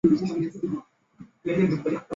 广东绣球为绣球花科绣球属下的一个种。